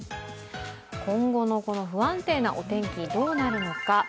今後の不安定なお天気どうなるのか。